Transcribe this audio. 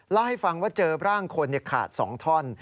เล่าให้ฟังว่าเจอร่างคนขาด๒ท่อน